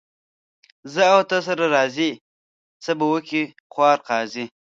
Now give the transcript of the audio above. زه او ته سره راضي ، څه به وکي خوار قاضي.